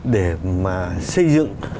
để mà xây dựng